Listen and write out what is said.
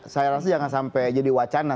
saya rasa jangan sampai jadi wacana